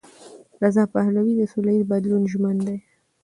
رضا پهلوي د سولهییز بدلون ژمن دی.